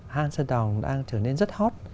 hang sơn đòn đang trở nên rất hot